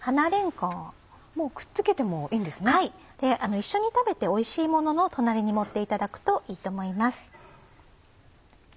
一緒に食べておいしいものの隣に盛っていただくといいと思います。